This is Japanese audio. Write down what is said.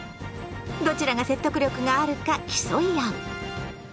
どちらが説得力があるか競い合う。